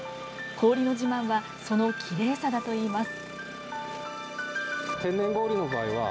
氷の自慢はそのきれいさだといいます。